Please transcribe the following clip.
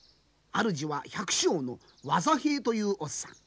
主は百姓の技平というおっさん。